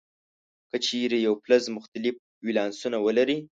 که چیرې یو فلز مختلف ولانسونه ولري.